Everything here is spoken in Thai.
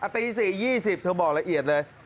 ตี๔๒๐เธอบอกละเอียดเลย